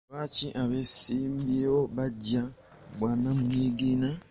Lwaki abeesimbyewo abamu bajja ku bwannamunigina?